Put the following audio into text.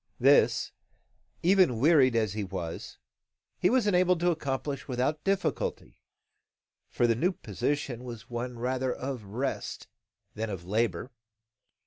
This, even wearied as he was, he was enabled to accomplish without difficulty: for the new position was one rather of rest than of labour.